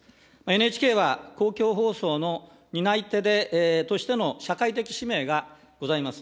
ＮＨＫは、公共放送の担い手としての社会的使命がございます。